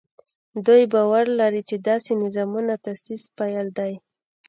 دوی باور لري چې داسې نظامونو تاسیس پیل دی.